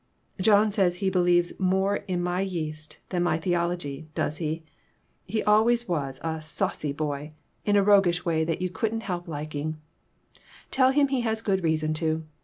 "John says he believes more in my yeast than my theology, does he? he always was a saucy 66 PERTURBATIONS. boy, in a roguish way that you couldn't help lik ing tell him he has good reason to.